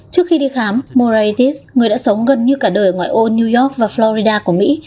trước khi đi khám moraitis người đã sống gần như cả đời ngoại ô new york và florida của mỹ